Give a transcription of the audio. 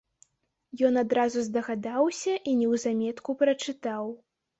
Ён адразу здагадаўся і неўзаметку прачытаў.